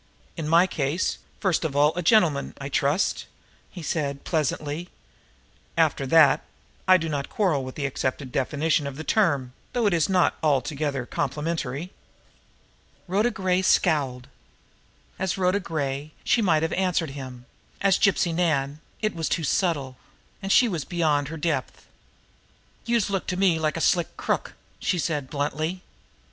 "In my case, first of all a gentleman, I trust," he said pleasantly; "after that, I do not quarrel with the accepted definition of the term though it is not altogether complimentary." Rhoda Gray scowled. As Rhoda Gray, she might have answered him; as Gypsy Nan, it was too subtle, and she was beyond her depth. "Youse look to me like a slick crook!" she said bluntly.